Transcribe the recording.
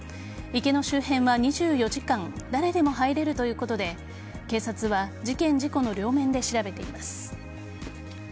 池の周辺は、２４時間誰でも入れるということで警察は事件・事故の両面で調べています。